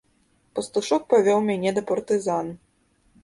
Пастушок павёў мяне да партызан.